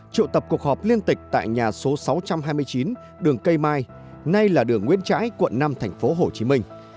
trụ tập cuộc họp liên tịch tại nhà số sáu trăm hai mươi chín đường cây mai nay là đường nguyễn trãi quận năm thành phố hồ chí minh